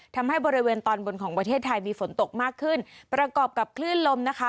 ทำให้บริเวณตอนบนของประเทศไทยมีฝนตกมากขึ้นประกอบกับคลื่นลมนะคะ